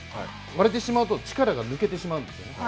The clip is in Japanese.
割れてしまうと、力が抜けてしまうんですよね。